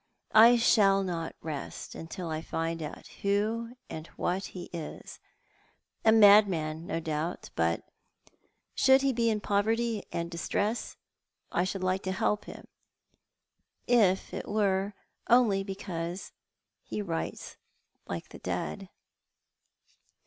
I shall not rest until I find out who and what he is; a madman, no doubt; but should he be in poverty and distress I should like to help him — if it wero only because he writes like tlie dead.'